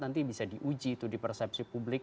nanti bisa diuji itu di persepsi publik